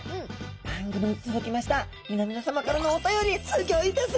番組に届きました皆々さまからのお便りすギョいです。